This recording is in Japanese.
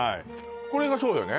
これがそうよね？